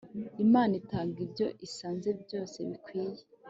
imana itanga ibyo isanze byose bikwiye